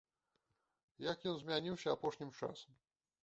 Як ён змяніўся апошнім часам?